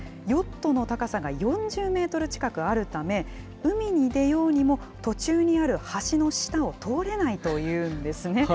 ヨットの高さが４０メートル近くあるため、海に出ようにも、途中にある橋の下を通れないというんですね。